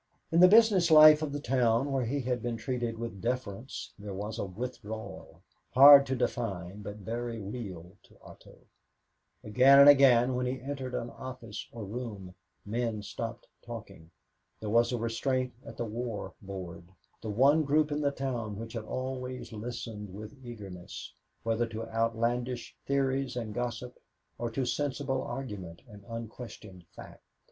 In the business life of the town where he had been treated with deference there was a withdrawal, hard to define but very real to Otto. Again and again when he entered an office or room men stopped talking. There was a restraint at the War Board the one group in the town which had always listened with eagerness, whether to outlandish theories and gossip or to sensible argument and unquestioned fact.